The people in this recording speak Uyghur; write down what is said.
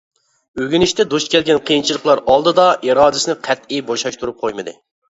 ئۆگىنىشتە دۇچ كەلگەن قىيىنچىلىقلار ئالدىدا ئىرادىسىنى قەتئىي بوشاشتۇرۇپ قويمىدى.